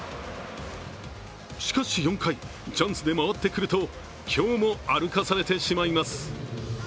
しかし４回、チャンスで回ってくると今日も歩かされてしまいます。